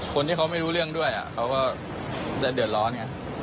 คนที่เขาไม่รู้เรื่องด้วยเขาก็จะเดือดร้อนไง